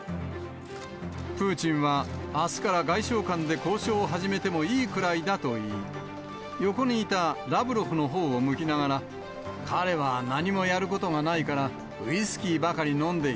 プーチンはあすから外相間で交渉を始めてもいいくらいだと言い、横にいたラブロフのほうを向きながら、彼は何もやることがないからウイスキーばかり飲んでい